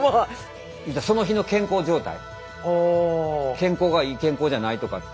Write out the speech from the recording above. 健康がいい健康じゃないとかって。